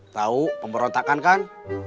tau pemberontakan kan